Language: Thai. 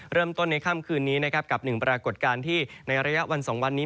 เริ่มต้นในค่ำคืนนี้นะครับกับหนึ่งปรากฏการณ์ที่ในระยะวัน๒วันนี้